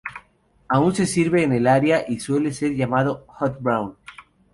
Aún se sirve en el área y suele ser llamado "hot brown".